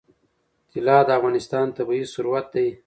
طلا د افغانستان طبعي ثروت دی.